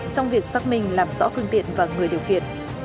trong việc xác minh làm rõ phương tiện và người điều khiển